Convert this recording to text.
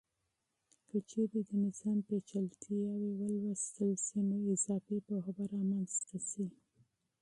که چیرې د نظام پیچلتیاوې مطالعه سي، نو اضافي پوهه به رامنځته سي.